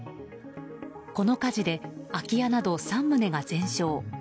この火事で空き家など３棟が全焼。